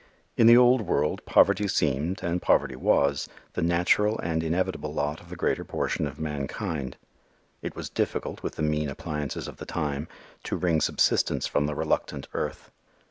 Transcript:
In the old world, poverty seemed, and poverty was, the natural and inevitable lot of the greater portion of mankind. It was difficult, with the mean appliances of the time, to wring subsistence from the reluctant earth.